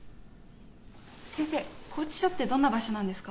先生拘置所ってどんな場所なんですか？